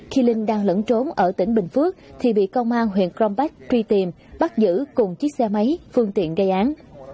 khi linh đang lẫn trốn ở tỉnh bình phước thì bị công an huyện crom pech truy tìm bắt giữ cùng chiếc xe máy phương tiện gây án